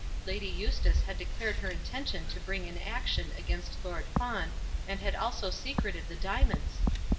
Lady Eustace had declared her intention of bringing an action against Lord Fawn, and had also secreted the diamonds!